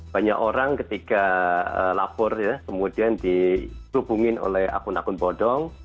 banyak orang ketika lapor ya kemudian dihubungin oleh akun akun bodong